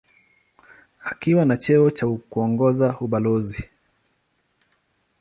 Akiwa na cheo cha kuongoza ubalozi.